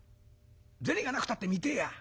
銭がなくたって見てえや。